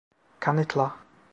Kanıtla.